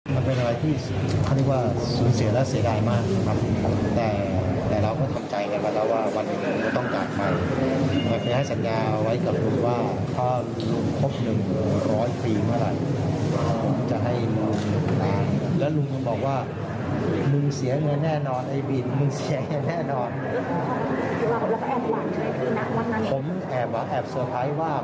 คุณบินมึงเสียเงินแน่นอนผมแอบว่าแอบเซอร์ไพรส์ว่า